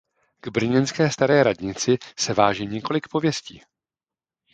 K brněnské Staré radnici se váže několik pověstí.